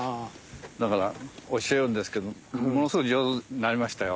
だから教えるんですけどものすごい上手になりましたよ。